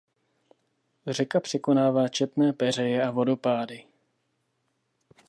Řeka překonává četné peřeje a vodopády.